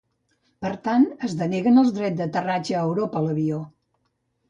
Per tant, es deneguen els drets d'aterratge a Europa a l'avió.